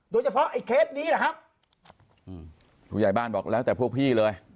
โดยเฉพาะไอ้เคสนี้แหละครับอืมผู้ใหญ่บ้านบอกแล้วแต่พวกพี่เลย